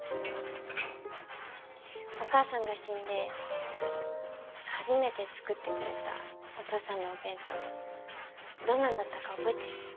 お母さんが死んで初めて作ってくれたお父さんのお弁当どんなんだったか覚えてる？